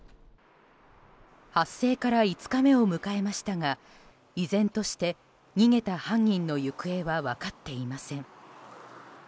発生から５日目を迎えましたが依然として、逃げた犯人の行方は分かっていません。